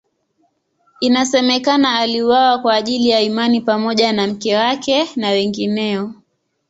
Inasemekana aliuawa kwa ajili ya imani pamoja na mke wake na wengineo.